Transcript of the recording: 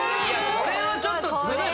これはちょっとずるい！